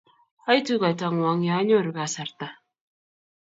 Aitu kaitang'wong' ye anyoru kasarta